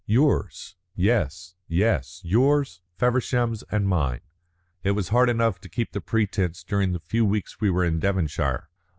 "Yours. Yes yes, yours, Feversham's, and mine. It was hard enough to keep the pretence during the few weeks we were in Devonshire.